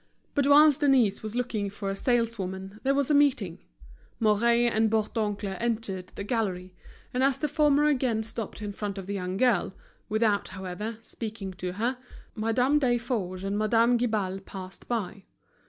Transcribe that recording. But whilst Denise was looking for a saleswoman there was a meeting. Mouret and Bourdoncle entered the gallery; and as the former again stopped in front of the young girl, without, however, speaking to her, Madame Desforges and Madame Guibal passed by.